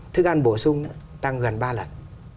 thức ăn bổ sung tăng gần ba lần